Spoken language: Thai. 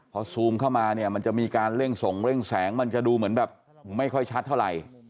พอซูมเข้ามาเนี่ยมันจะมีการเร่งส่งเร่งแสงมันจะดูเหมือนแบบไม่ค่อยชัดเท่าไหร่